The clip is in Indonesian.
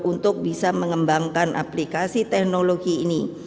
untuk bisa mengembangkan aplikasi teknologi ini